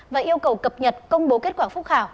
và yêu cầu cập nhật công bố kết quả phúc khảo